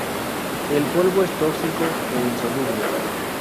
El polvo es tóxico e insoluble.